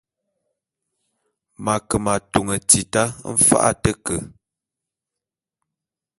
M’ ake m’atôn tita mfa’a a te ke.